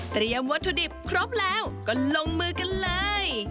วัตถุดิบครบแล้วก็ลงมือกันเลย